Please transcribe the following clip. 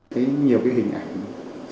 thấy nhiều cái hình ảnh